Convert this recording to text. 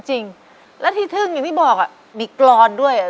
และและที่ธึงอย่างพี่บอกได้กลอนด้วย